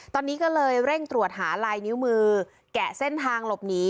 ตอนนี้ก็เลยเร่งตรวจหาลายนิ้วมือแกะเส้นทางหลบหนี